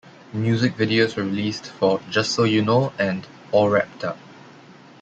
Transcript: Music videos were released for "Just So You Know" and "All Wrapped Up".